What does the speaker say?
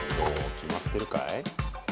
決まってるかい？